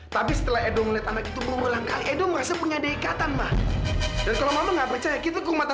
sampai jumpa di video selanjutnya